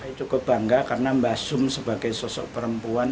saya cukup bangga karena mbak sum sebagai sosok perempuan